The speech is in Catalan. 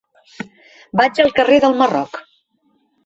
Vaig al carrer del Marroc.